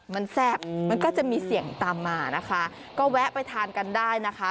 มันแซ่บมันก็จะมีเสี่ยงตามมานะคะก็แวะไปทานกันได้นะคะ